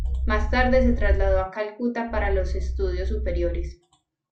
Más tarde se trasladó a Calcuta para los estudios superiores.